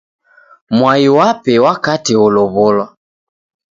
Mwai wape wakate olow'olwa.